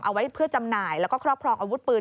เอาไว้เพื่อจำหน่ายแล้วก็ครอบครองอาวุธปืน